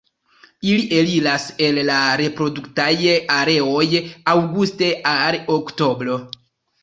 Ili eliras el la reproduktaj areoj aŭguste al oktobro.